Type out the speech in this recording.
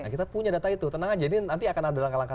kita punya data itu tenang aja ini nanti akan ada langkah langkah